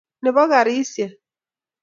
Nebo garisyek.